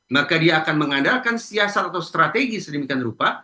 maka dia akan mengandalkan siasat atau strategi sedemikian rupa